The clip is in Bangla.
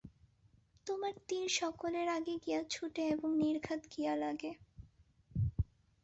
তোমার তীর সকলের আগে গিয়া ছোটে এবং নির্ঘাত গিয়া লাগে।